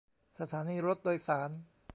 สถานีรถโดยสาร